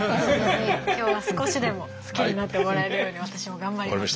今日は少しでも好きになってもらえるように私も頑張ります。